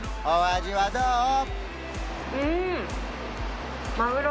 お味はどう？